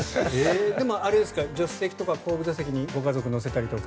でも、助手席とか後部座席にご家族を乗せたりとか。